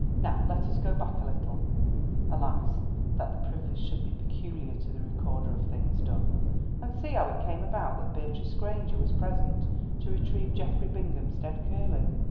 Now let us go back a little (alas! that the privilege should be peculiar to the recorder of things done), and see how it came about that Beatrice Granger was present to retrieve Geoffrey Bingham's dead curlew.